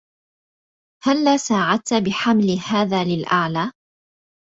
هلّا ساعدت بحمل هذا للأعلى؟